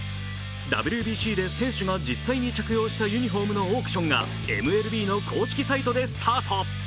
ＷＢＣで選手が実際に着用したユニフォームのオークションがＭＬＢの公式サイトでスタート。